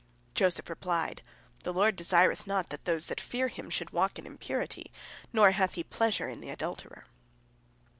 Joseph replied, "The Lord desireth not that those who fear Him shall walk in impurity, nor hath He pleasure in the adulterer."